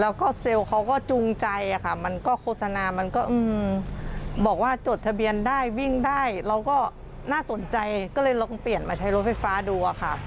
แล้วก็เซลล์เขาก็จูงใจค่ะมันก็โฆษณามันก็บอกว่าจดทะเบียนได้วิ่งได้เราก็น่าสนใจก็เลยลองเปลี่ยนมาใช้รถไฟฟ้าดูอะค่ะ